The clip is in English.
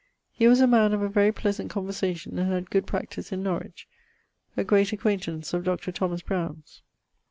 He was a man of a very pleasant conversation and had good practice in Norwich: a great acquaintance of Dr. Browne's.'